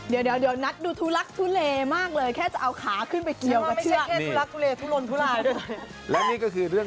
เดี๋ยวนัดดูทุลักษณ์ทุเลมากเลยแค่จะเอาขาขึ้นไปเกี่ยวกับเชื่อ